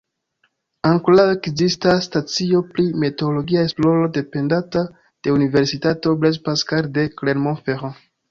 Ankoraŭ ekzistas stacio pri meteologia esploro dependanta de universitato Blaise Pascal de Clermont-Ferrand.